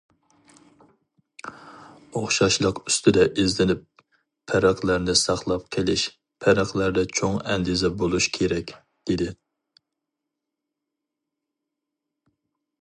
ئوخشاشلىق ئۈستىدە ئىزدىنىپ، پەرقلەرنى ساقلاپ قېلىش، پەرقلەردە چوڭ ئەندىزە بولۇش كېرەك، دېدى.